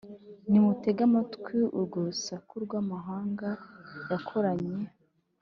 Nimutege amatwi urwo rusaku rw’amahanga yakoranye: